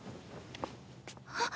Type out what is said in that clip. あっ。